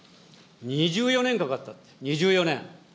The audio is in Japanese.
２４年かかったって、２４年。